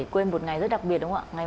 quên một ngày rất đặc biệt đúng không ạ